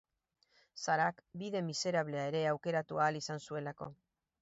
Sarahk bide miserablea ere aukeratu ahal izan zuelako.